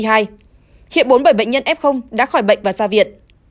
hiện bốn mươi bảy bệnh nhân f đã khỏi bệnh và ra viện